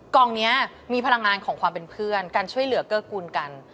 กองนี้มีพลังงานของความเป็นเพื่อนการช่วยเหลือเกื้อกูลกัน